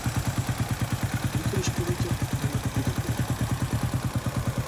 Никогаш повеќе нема да биде убава.